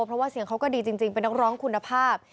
เพราะว่าเสียงเขาก็ดีจริงเป็นนักร้องคุณภาพ